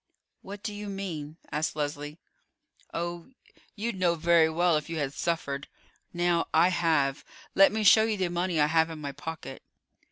"What do you mean?" asked Leslie. "Oh, you'd know very well if you had suffered. Now, I have. Let me show you the money I have in my pocket."